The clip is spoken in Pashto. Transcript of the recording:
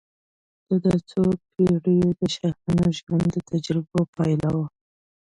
دا د څو پېړیو د شاهانه ژوند د تجربو پایله وه.